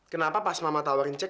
kenapa pas mama tawarin cek